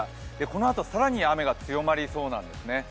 このあと更に雨が強まりそうなんですね。